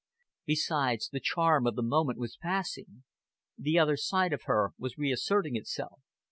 Besides, the charm of the moment was passing. The other side of her was reasserting itself.